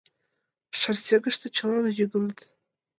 Шарсегыште чылан йӱыныт.